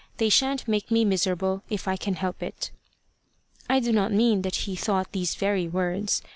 They shan't make me miserable if I can help it." I do not mean that he thought these very words.